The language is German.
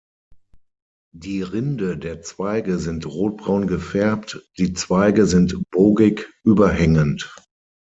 Die Rinde der Zweige sind rotbraun gefärbt, die Zweige sind bogig überhängend.